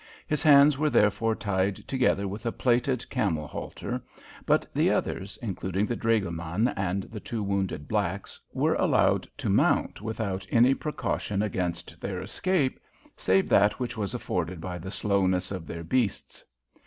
His hands were therefore tied together with a plaited camel halter, but the others, including the dragoman and the two wounded blacks, were allowed to mount without any precaution against their escape, save that which was afforded by the slowness of their beasts.